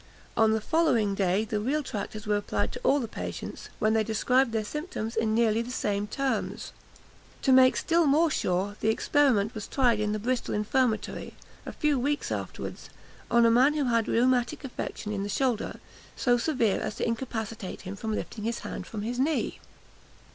On the following day the real tractors were applied to all the patients, when they described their symptoms in nearly the same terms. To make still more sure, the experiment was tried in the Bristol infirmary, a few weeks afterwards, on a man who had a rheumatic affection in the shoulder, so severe as to incapacitate him from lifting his hand from his knee.